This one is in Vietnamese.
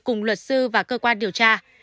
cùng luật sư và cơ quan điều tra